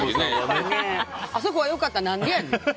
あそこは良かったなんでやねん。